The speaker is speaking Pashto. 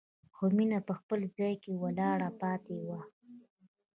خو مينه په خپل ځای کې ولاړه پاتې وه.